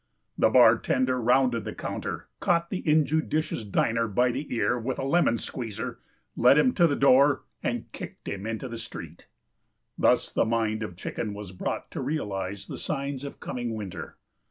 The bartender rounded the counter, caught the injudicious diner by the ear with a lemon squeezer, led him to the door and kicked him into the street. Thus the mind of Chicken was brought to realize the signs of coming winter.